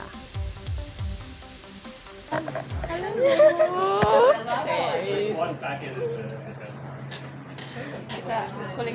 kami sudah menang